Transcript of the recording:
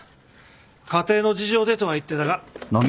家庭の事情でとは言ってたが。